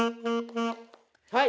はい！